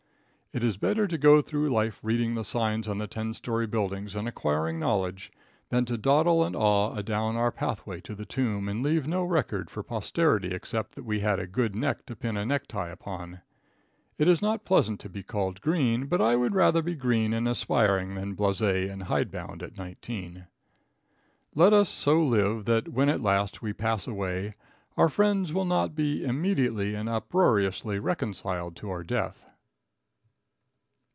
It is better to go through life reading the signs on the ten story buildings and acquiring knowledge, than to dawdle and "Ah!" adown our pathway to the tomb and leave no record for posterity except that we had a good neck to pin a necktie upon. It is not pleasant to be called green, but I would rather be green and aspiring than blase and hide bound at nineteen. Let us so live that when at last we pass away our friends will not be immediately and uproariously reconciled to our death.